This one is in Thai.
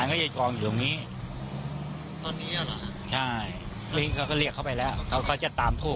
คือที่ที่ที่ยืนอะไรบ้างนะตอนนี้